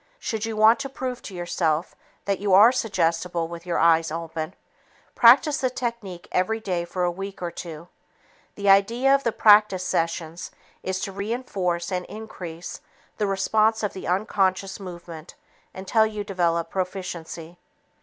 Should you want to prove to yourself that you are suggestible with your eyes open, practice the technique every day for a week or two. The idea of the practice sessions is to reinforce and increase the response of the unconscious movement until you develop proficiency.